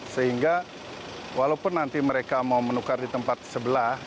sehingga walaupun nanti mereka mau menukar di tempat sebelah